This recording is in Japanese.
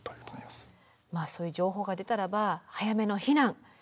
まあそういう情報が出たらば早めの避難。